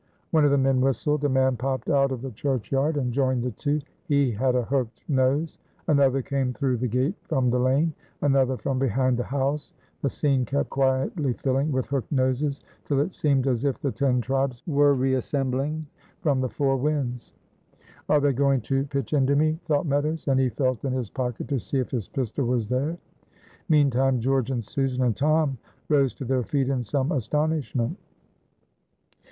One of the men whistled, a man popped out of the churchyard and joined the two; he had a hooked nose. Another came through the gate from the lane; another from behind the house. The scene kept quietly filling with hooked noses till it seemed as if the ten tribes were reassembling from the four winds. "Are they going to pitch into me?" thought Meadows; and he felt in his pocket to see if his pistol was there. Meantime, George and Susan and Tom rose to their feet in some astonishment.